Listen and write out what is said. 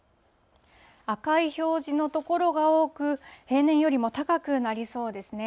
赤い表示の所が多く、平年よりも高くなりそうですね。